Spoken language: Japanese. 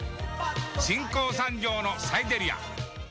新興産業のサイデリア。